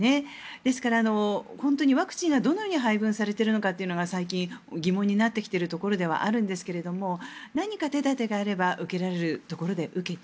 ですから、本当にワクチンがどのように配分されているのかが最近、疑問になってきているところではあるんですが何か手立てがあれば受けられるところで受けて。